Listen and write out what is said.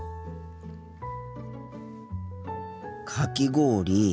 かき氷。